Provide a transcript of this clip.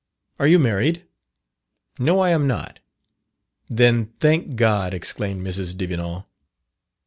Are you married?" "No, I am not." "Then, thank God!" exclaimed Mrs. Devenant.